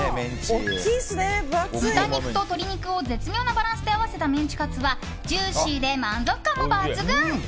豚肉と鶏肉を絶妙なバランスで合わせたメンチカツはジューシーで満足感も抜群。